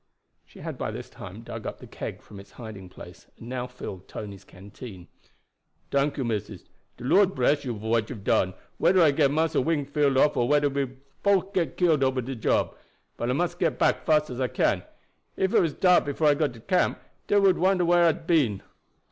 She had by this time dug up the keg from its hiding place, and now filled Tony's canteen. "Tank you, missus; de Lord bress you for what you've done, wheder I get Massa Wingfield off or wheder we bofe get killed ober de job. But I must get back as fast as I can. Ef it was dark before I got to camp dey would wonder whar I had been."